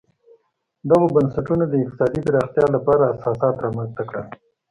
دغو بنسټونو د اقتصادي پراختیا لپاره اساسات رامنځته کړل.